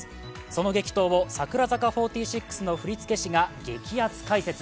その激闘を櫻坂４６の振り付け師が激アツ解説。